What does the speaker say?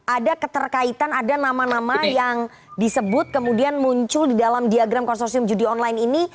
ada keterkaitan ada nama nama yang disebut kemudian muncul di dalam diagram konsorsium judi online ini